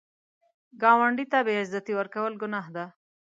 ګاونډي ته بې عزتي ورکول ګناه ده